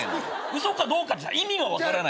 嘘かどうかじゃ意味が分からない。